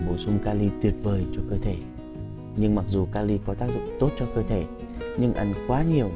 bổ sung ca ly tuyệt vời cho cơ thể nhưng mặc dù cali có tác dụng tốt cho cơ thể nhưng ăn quá nhiều